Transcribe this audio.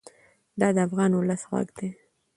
دا د افغان ولس غږ دی.